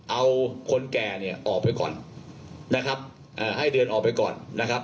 เอาคนแก่เนี่ยออกไปก่อนนะครับเอ่อให้เดินออกไปก่อนนะครับ